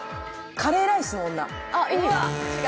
「カレーライスの女」。